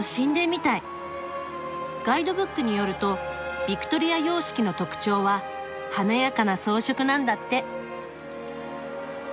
ガイドブックによるとビクトリア様式の特徴は華やかな装飾なんだって。